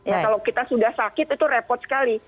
ya kalau kita sudah sakit itu repot sekali